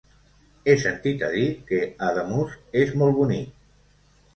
He sentit a dir que Ademús és molt bonic.